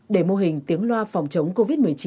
để mô hình tiếng loa phòng chống covid một mươi chín